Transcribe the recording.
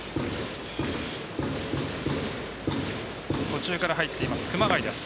途中から入っている熊谷です。